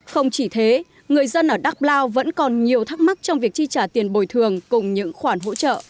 không chỉ thế người dân ở đắk blao vẫn còn nhiều thắc mắc trong việc chi trả tiền bồi thường cùng những khoản hỗ trợ